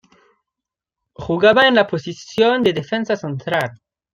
Jugaba en la posición de defensa central.